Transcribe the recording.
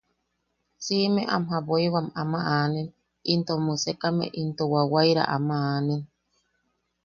Siʼime am jaboiwam ama aanen, into am usekame into wawaira ama aanen.